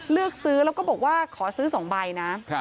เลือกซื้อแล้วก็บอกว่าขอซื้อ๒ใบนะ